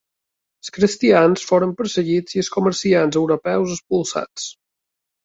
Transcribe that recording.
Els cristians foren perseguits i els comerciants europeus expulsats.